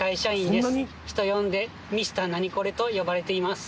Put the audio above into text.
人呼んでミスターナニコレと呼ばれています。